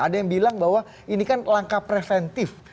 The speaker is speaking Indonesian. ada yang bilang bahwa ini kan langkah preventif